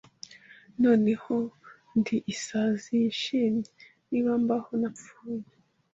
Noneho ndi Isazi yishimye Niba mbaho napfuye